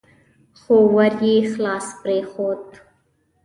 خو ور يې خلاص پرېښود.